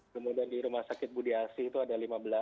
kemudian di rumah sakit budiasi itu ada lima belas